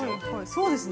◆そうですね。